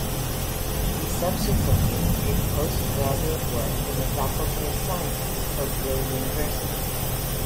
He subsequently did postgraduate work in the Faculty of Science at Tokyo University.